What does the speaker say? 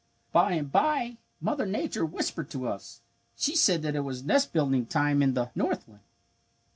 "By and bye Mother Nature whispered to us. She said that it was nest building time in the northland.